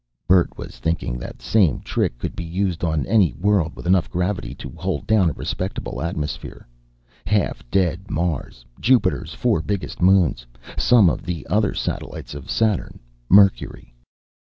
Bert was thinking that the same trick could be used on any world with enough gravity to hold down a respectable atmosphere. Half dead Mars. Jupiter's four biggest moons. Some of the other satellites of Saturn. Mercury.